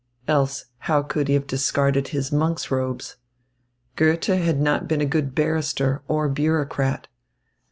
Else, how could he have discarded his monk's robes? Goethe had not been a good barrister or bureaucrat.